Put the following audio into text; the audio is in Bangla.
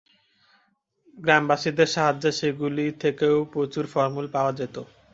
গ্রামবাসীদের সাহায্যে সেগুলি থেকেও প্রচুর ফলমূল পাওয়া যেত।